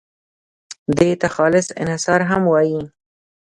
دې ته خالص انحصار هم وایي.